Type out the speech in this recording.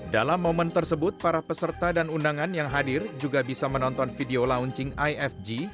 dalam momen tersebut para peserta dan undangan yang hadir juga bisa menonton video launching ifg